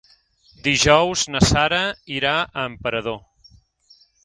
Dijous na Sara irà a Emperador.